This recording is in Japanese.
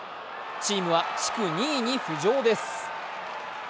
チームは地区２位に浮上です。